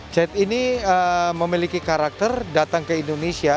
chat ini memiliki karakter datang ke indonesia